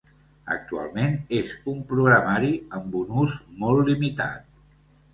Actualment és un programari amb un ús molt limitat.